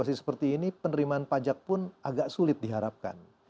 jadi seperti ini penerimaan pajak pun agak sulit diharapkan